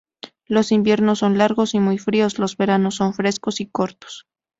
Los inviernos son largos y muy fríos, los veranos son frescos y cortos.